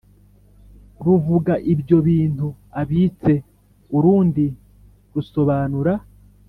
Ruvuga ibyo bintu abitse urundi rusobanura